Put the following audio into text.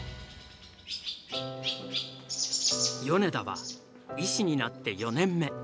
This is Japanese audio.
米田は医師になって４年目。